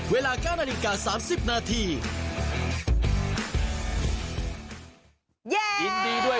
เวลา๙นาฬิกา๓๐นาที